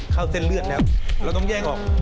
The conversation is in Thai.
เข้าเส้นเลือดแล้วเราต้องแย่งออก